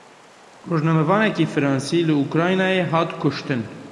Rojnamevanekî Fransî li Ukraynayê hat kuştin.